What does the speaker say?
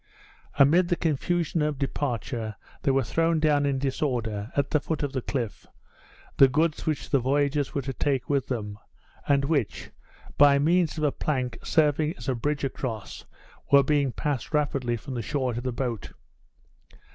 Amid the confusion of departure there were thrown down in disorder, at the foot of the cliff, the goods which the voyagers were to take with them, and which, by means of a plank serving as a bridge across, were being passed rapidly from the shore to the boat.